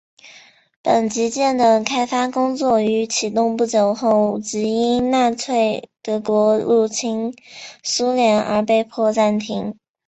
本级舰的开发工作于启动不久后即因纳粹德国入侵苏联而被迫暂停。